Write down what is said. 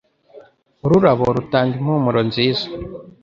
Ururabo rutanga impumuro nziza.